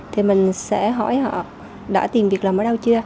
thì mình sẽ hỏi họ đã tìm việc làm ở đâu chưa